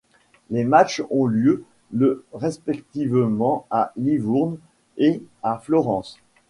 Les matchs ont lieu le respectivement à Livourne et à Florence.